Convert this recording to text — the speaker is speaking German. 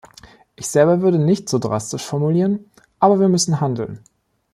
Ich selber würde nicht so drastisch formulieren, aber wir müssen handeln.